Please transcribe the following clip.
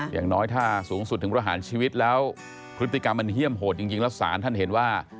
อย่างน้อยถ้าสูงสุดถึงประหารชีวิตแล้วพฤติกรรมมันเฮี่ยมโหดจริงแล้วศาลท่านเห็นว่า